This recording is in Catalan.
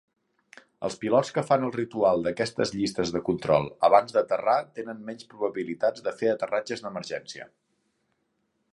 Els pilots que fan el ritual d'aquestes llistes de control abans d'aterrar tenen menys probabilitats de fer aterratges d'emergència.